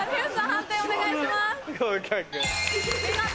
判定お願いします。